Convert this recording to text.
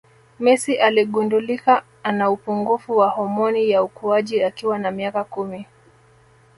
Messi aligundulika ana upungufu wa homoni ya ukuaji akiwa na miaka kumi